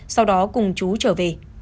sau đó cùng chú trở về